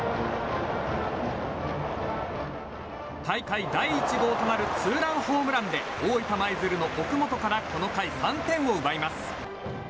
大会第１号となるツーランホームランで大分舞鶴の奥本からこの回３点を奪います。